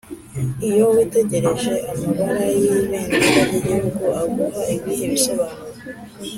Iyo witegereje amabara y’ibendera ry’igihugu aguha ibihe bisobanuro